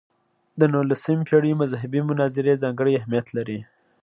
د نولسمې پېړۍ مذهبي مناظرې ځانګړی اهمیت لري.